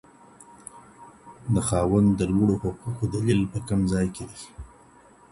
د خاوند د لوړو حقوقو دليل په کوم ځای کي دی؟